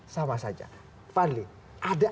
sama saja fadli ada